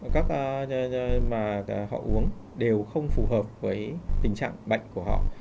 các loại thuốc mà họ uống đều không phù hợp với tình trạng bệnh của họ